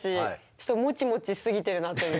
ちょっとモチモチしすぎてるなという。